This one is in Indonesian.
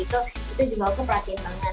itu juga aku perhatiin banget